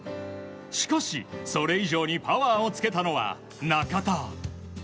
しかし、それ以上にパワーをつけたのは、中田。